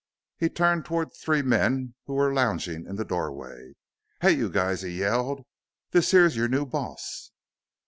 He turned toward three men who were lounging in the doorway. "Hey, you guys!" he yelled; "this here's your new boss.